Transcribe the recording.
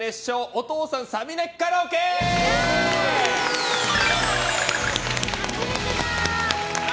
お父さんサビ泣きカラオケ！何？